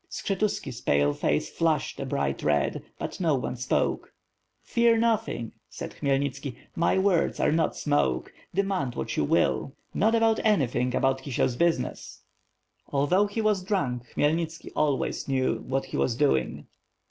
Skshetuski's pale face flushed a bright red, but no one spoke. "Fear nothing," said Khmyelnitski, "my words are not smoke; demand what you will, not about anything about KisieFs business." Although he was drunk, Khmyelnitski always knew what he was doing.